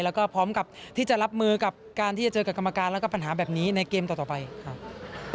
แล้วก็พร้อมกับที่จะรับมือกับการที่จะเจอกับกรรมการแล้วก็ปัญหาแบบนี้ในเกมต่อไปครับ